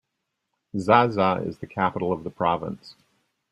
Xai-Xai is the capital of the province.